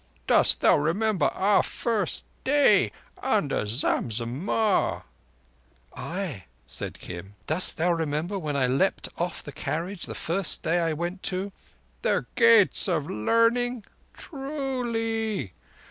Dost thou remember our first day under Zam Zammah?" "Ay," said Kim. "Dost thou remember when I leapt off the carriage the first day I went to—" "The Gates of Learning? Truly.